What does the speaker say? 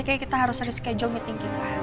kayaknya kita harus reschedule meeting kita